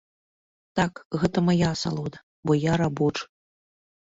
Так, гэта мая асалода, бо я рабочы.